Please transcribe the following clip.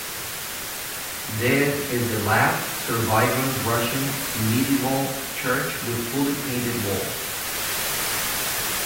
This is the last surviving Russian medieval church with fully painted walls.